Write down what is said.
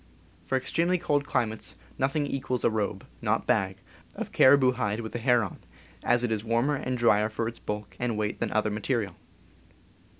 For extremely cold climates nothing equals a robe (not bag) of caribou hide with the hair on, as it is warmer and drier for its bulk and weight than any other material.